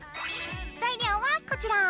材料はこちら。